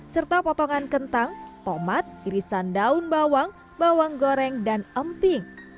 serta potongan kentang tomat irisan daun bawang bawang goreng dan emping